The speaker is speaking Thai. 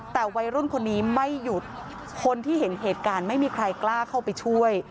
แต่วัยรุ่นคนนี้ไม่หยุดคนที่เห็นเหตุการณ์ไม่มีใครกล้าเข้าไปช่วย